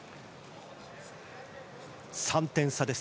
３点差です。